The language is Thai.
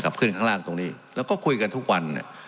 ขึ้นข้างล่างตรงนี้แล้วก็คุยกันทุกวันเนี่ย